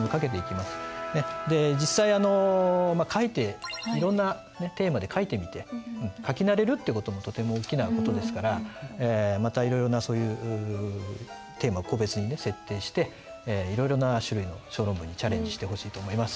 で実際あのまあ書いていろんなねテーマで書いてみて書き慣れるっていう事もとても大きな事ですからまたいろいろなそういうテーマを個別にね設定していろいろな種類の小論文にチャレンジしてほしいと思います。